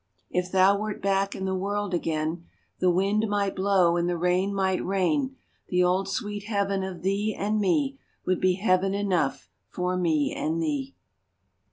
If thou wert back in the world again The wind might blow and the rain might rain, The old sweet heaven of thee and me Would be heaven enough for me and thee